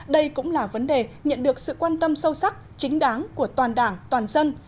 đây cũng là vấn đề nhận được sự quan tâm sâu sắc chính đáng của toàn đảng toàn dân